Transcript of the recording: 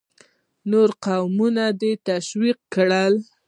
نور قومونه دې ته تشویق کړي.